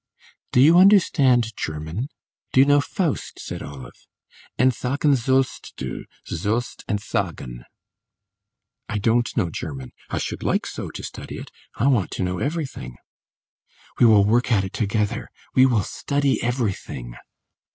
"Do you understand German? Do you know 'Faust'?" said Olive. "'Entsagen sollst du, sollst entsagen!'" "I don't know German; I should like so to study it; I want to know everything." "We will work at it together we will study everything."